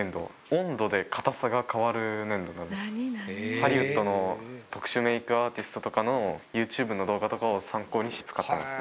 ハリウッドの特殊メークアーティストとかのユーチューブの動画とかを参考にして使ってます。